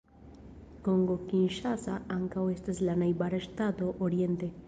Kongo Kinŝasa ankaŭ estas la najbara ŝtato oriente.